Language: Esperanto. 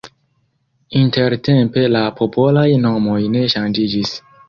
Intertempe la popolaj nomoj ne ŝanĝiĝis.